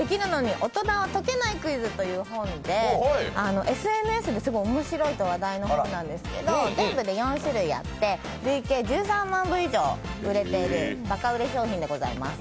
大人は解けないクイズ」という本で面白いという話題の本なんですけど全部で１４種類あって累計１３万部以上売れている、ばか売れ商品でございます。